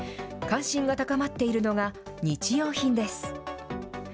関心が高まっているのが日用品です。